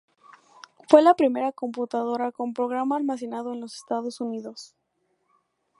Fue la primera computadora con programa almacenado en los Estados Unidos.